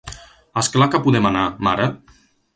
És clar que podem anar, mare?